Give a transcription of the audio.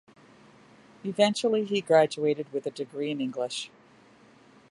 Eventually he graduated with a degree in English.